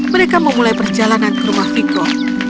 mereka memulai perjalanan ke rumah viko